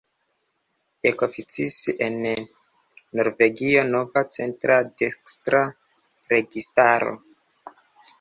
Ekoficis en Norvegio nova centra-dekstra registaro.